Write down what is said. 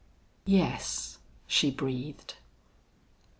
"Yes," she breathed.